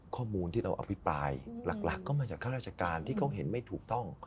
ข้อมูลที่เราอภิปรายหลักก็มาจากข้าราชการที่เขาเห็นไม่ถูกต้อง